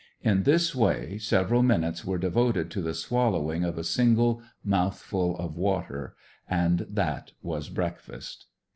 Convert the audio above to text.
In this way several minutes were devoted to the swallowing of a single mouthful of water, and that was breakfast.